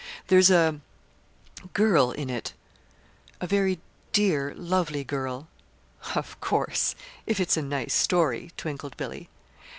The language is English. "There's a girl in it; a very dear, lovely girl." "Of course if it's a nice story," twinkled Billy.